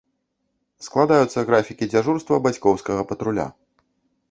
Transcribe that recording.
Складаюцца графікі дзяжурства бацькоўскага патруля.